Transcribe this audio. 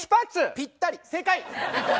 ぴったり正解。